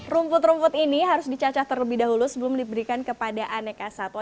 rumput rumput ini harus dicacah terlebih dahulu sebelum diberikan kepada aneka satwa